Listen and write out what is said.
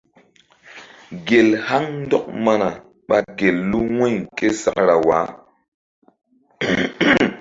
Gel haŋ ndɔk mana ɓa gel lu wu̧y ke sakra waah.